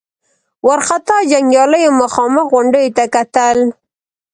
وارخطا جنګياليو مخامخ غونډيو ته کتل.